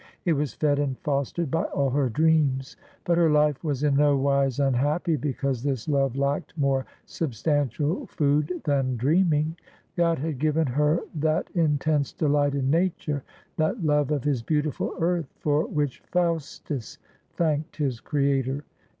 It was fed and fostered by all her dreams. But her life was in no wise unhappy because this love lacked more substantial food than dreaming. God had given her that intense delight in Nature, that love of His beautiful earth, for which Faustus thanked his creator.